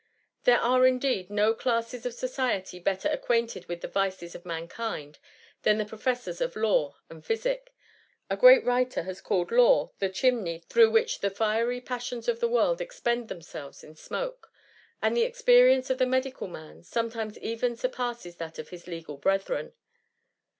There are, indeed, no classes of society better acquainted with the vices of mankind, than the professors of law and physic: a great writer has called law the chimney through which the fiery passions of the world expend themselves in smoke — and the experience of the medical man sometimes even surpasses thi^t of his legal brethren.